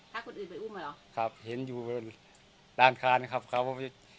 ถ้าคนอื่นไปอุ้มอ่ะเหรอครับเห็นอยู่ด้านคานครับเขาก็ไป